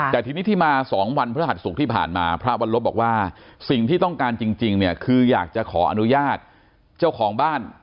แต่ทีนี้ที่มา๒วันพระหัสศุกร์ที่ผ่านมาพระวัลลบบอกว่าสิ่งที่ต้องการจริงเนี่ยคืออยากจะขออนุญาตเจ้าของบ้าน